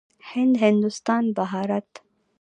هند، هندوستان، بهارت.